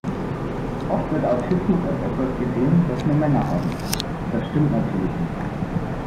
Oft wird Autismus als etwas gesehen, das nur Männer haben. Das stimmt natürlich nicht.